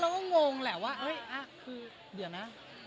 เราก็งงแหลมคือเดี๋ยวนะ